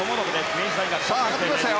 明治大学３年生です。